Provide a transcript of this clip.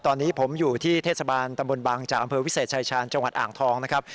ตอนนี้ผมอยู่ที่เทศบาลตำบลบางจากอำเภอวิเศษชายชาญจังหวัดอ่างทองนะครับ